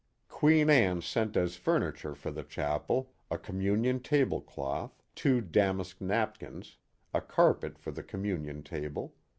Queen Anne sent as furniture for the chapel: A communion table cloth. Two damask napkins. A carpet for the communion table.